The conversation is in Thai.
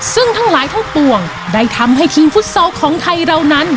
ซึ่งทั้งหลายทั้งปวงได้ทำให้ทีมฟุตซอลของไทยเรานั้น